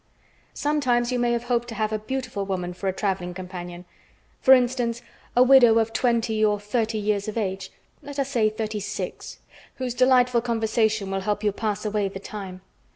Sometimes you may have hoped to have a beautiful woman for a traveling companion; for instance, a widow of twenty or thirty years of age (let us say, thirty six), whose delightful conversation will help you pass away the time.